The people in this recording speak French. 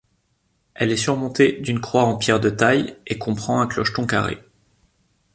Elle est surmontée d'une croix en pierre de taille et comprend un clocheton carré.